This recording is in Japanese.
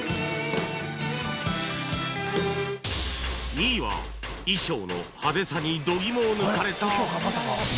２位は衣装の派手さに度肝を抜かれた